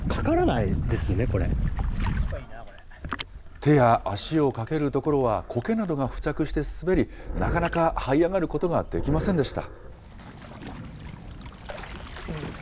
手や足をかけるところはこけなどが付着して滑り、なかなかはい上がることができませんでした。